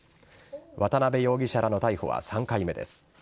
渡辺容疑者らの逮捕は３回目です。